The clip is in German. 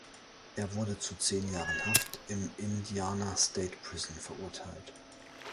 Er wurde zu zehn Jahren Haft im Indiana State Prison verurteilt.